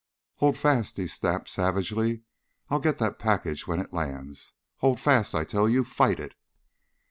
"Hold fast," he snapped savagely. "I'll go get that package when it lands. Hold fast, I tell you! Fight it!"